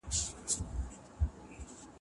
هر کلي خپله پرمختیايي شورا درلوده.